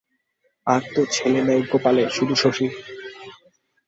আর তো ছেলে নাই গোপালের, শুধু শশী।